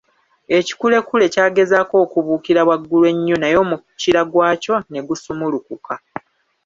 Ekikulekule kyagezaako okubuukira waggulu ennyo naye omukira gw'akyo ne gusumulukuka .